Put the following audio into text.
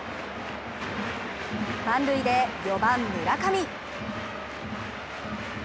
満塁で４番・村上。